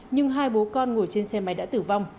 nhưng hai bố con ngồi trên xe máy đã tử vong